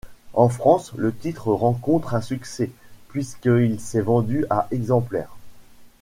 En France, le titre rencontre un succès, puisqu'il s'est vendu à exemplaires.